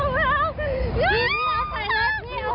รอกไม่รอ้าว